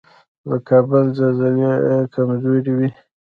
د کابل زلزلې کمزورې وي